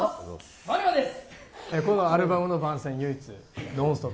ＷＡＮＩＭＡです。